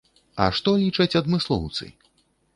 А што лічаць адмыслоўцы?